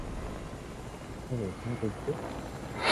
Basmati was introduced to the Middle East by Indian traders.